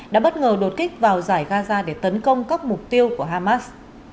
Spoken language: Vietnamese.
đã bất ngờ đột kích vào giải gaza để tấn công các mục tiêu của hamas